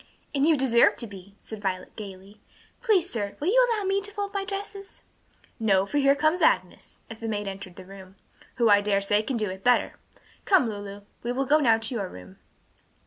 "As you deserve to be," said Violet, gayly. "Please, sir, will you allow me to fold my dresses?" "No, for here comes Agnes," as the maid entered the room, "who, I dare say, can do it better. Come, Lulu, we will go now to your room."